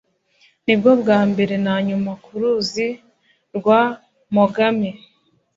Nibwo bwa mbere nanyuze ku ruzi rwa Mogami